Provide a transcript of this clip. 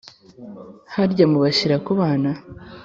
harya mu bashira ku bana,